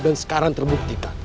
dan sekarang terbuktikan